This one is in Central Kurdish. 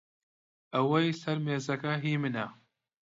ئەوەی سەر مێزەکە هی منە.